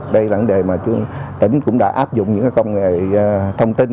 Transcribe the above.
đây là vấn đề mà tỉnh cũng đã áp dụng những công nghệ thông tin